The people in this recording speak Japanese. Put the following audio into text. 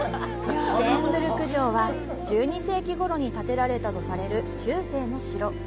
シェーンブルク城は、１２世紀頃に建てられたとされる中世の城。